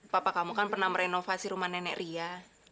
papa kamu kan pernah merenovasi rumah nenek ria